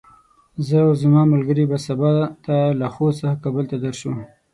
زه او زما ملګري به سبا ته له خوست څخه کابل ته درشو.